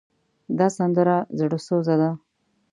دا سندره زړوسوزه ده.